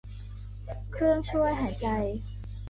เครื่องช่วยหายใจ